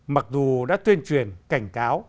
mặc dù đã tuyên truyền cảnh cáo